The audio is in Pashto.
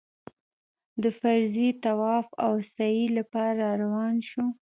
د فرضي طواف او سعيې لپاره راروان شوو.